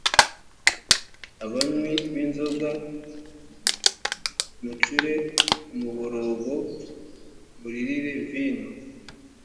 abanywi b’inzoga mucure umuborogo muririre vino